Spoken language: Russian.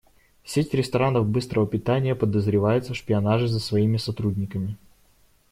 Сеть ресторанов быстрого питания подозревается в шпионаже за своими сотрудниками.